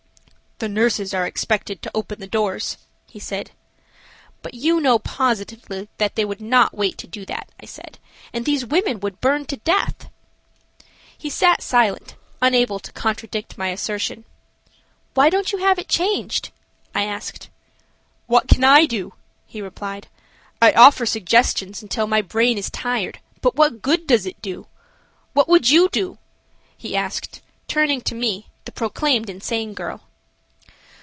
"The nurses are expected to open the doors," he said. "But you know positively that they would not wait to do that," I said, "and these women would burn to death." He sat silent, unable to contradict my assertion. "Why don't you have it changed?" I asked. "What can I do?" he replied. "I offer suggestions until my brain is tired, but what good does it do? What would you do?" he asked, turning to me, the proclaimed insane girl.